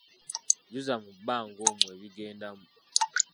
Jjuza mu banga omwo ebigendamu.